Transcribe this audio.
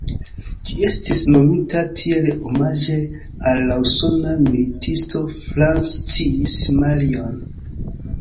Ĝi estis nomita tiel omaĝe al la usona militisto Francis Marion.